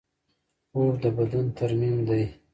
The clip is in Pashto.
خوب د بدن ترمیم دی.